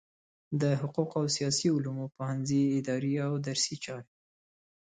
د حقوقو او سیاسي علومو پوهنځی اداري او درسي چارې